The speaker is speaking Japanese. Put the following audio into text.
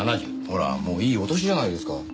ほらもういいお年じゃないですか。